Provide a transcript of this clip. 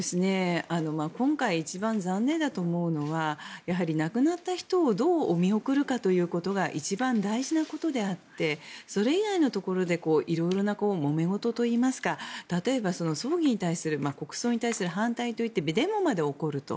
今回一番残念だと思うのはやはり亡くなった人をどうお見送るかということが一番大事なことであってそれ以外のところでいろいろなもめごとといいますか例えば、葬儀に対する国葬に対する反対といってデモまで起こる。